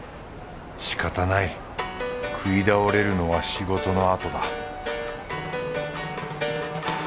しかたない食い倒れるのは仕事のあとだ